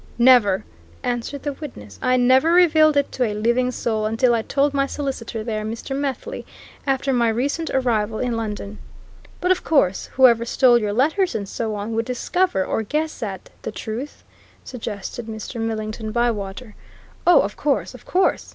"Never!" answered the witness. "I never revealed it to a living soul until I told my solicitor there, Mr. Methley, after my recent arrival in London." "But of course, whoever stole your letters and so on, would discover, or guess at, the truth?" suggested Mr. Millington Bywater. "Oh, of course, of course!"